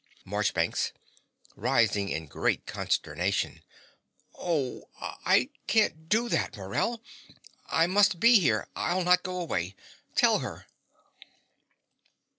MARCHBANKS (rising in great consternation). Oh, I can't do that, Morell. I must be here. I'll not go away. Tell her.